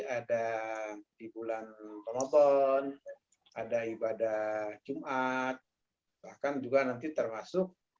ada di bulan ramadan ada ibadah jumat bahkan juga nanti termasuk